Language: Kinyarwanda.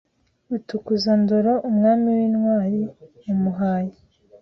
Rutukuzandoro umwami w’intwari Mumuhaye